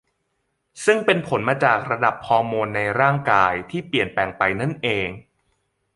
ซึ่งเป็นผลมาจากระดับฮอร์โมนในร่างกายที่เปลี่ยนแปลงไปนั่นเอง